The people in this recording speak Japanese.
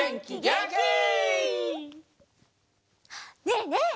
ねえねえ。